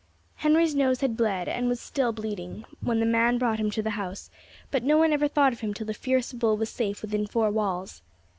Henry's nose had bled, and was still bleeding, when the man brought him to the house; but no one even thought of him till the fierce bull was safe within four walls.